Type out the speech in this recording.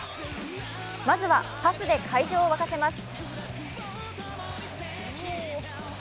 まずはパスで会場を沸かせます。